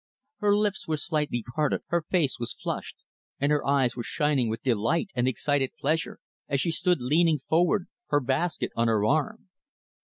Her lips were slightly parted, her face was flushed, and her eyes were shining with delight and excited pleasure, as she stood leaning forward, her basket on her arm.